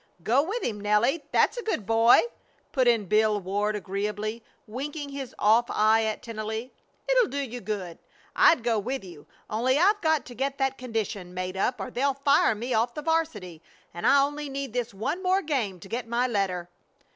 "Go with him, Nelly, that's a good boy!" put in Bill Ward, agreeably, winking his off eye at Tennelly. "It'll do you good. I'd go with you, only I've got to get that condition made up or they'll fire me off the 'varsity, and I only need this one more game to get my letter."